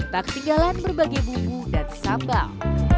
tak ketinggalan berbagai bubu dan sambal